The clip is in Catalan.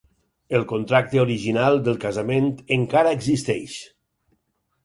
El contracte original del casament encara existeix.